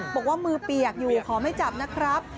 บอกว่ามือเปียกอยู่ขอไม่จับนะครับ